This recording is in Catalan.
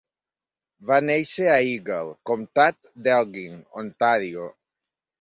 Va néixer a Eagle, comtat d'Elgin, Ontario.